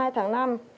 hai mươi hai tháng năm